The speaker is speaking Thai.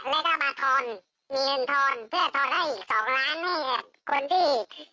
แต่ว่าเวลาได้ตังค์จริงเขาก็เอาตังค์๑๐ล้านจากเอ่อจากไอของรักของอะไรเนี้ย